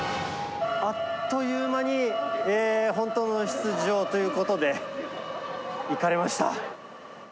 あっという間に、本当の出場ということで、行かれました。